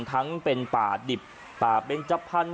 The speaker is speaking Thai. ทั้งเป็นป่าดิบป่าเบนจพันธุ